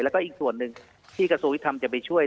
แล้วก็อีกส่วนหนึ่งที่กระทรวงยุทธรรมจะไปช่วย